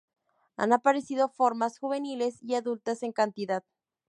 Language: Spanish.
Han aparecido formas juveniles y adultas en cantidad.